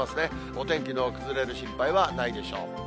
お天気の崩れる心配はないでしょう。